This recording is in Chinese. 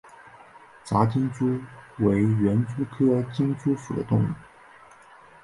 杂金蛛为园蛛科金蛛属的动物。